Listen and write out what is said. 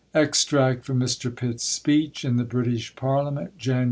Extract from Mr. Pitt's Speech in the British Parliament, Jan.